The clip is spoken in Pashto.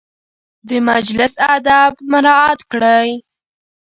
د مجلس اداب مراعت کړئ